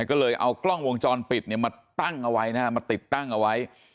ก็เลยเอากล้องวงจรปิดเนี่ยมาตั้งเอาไว้นะฮะมาติดตั้งเอาไว้